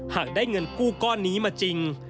หากได้เงินกู้ก้อนนี้มาจริง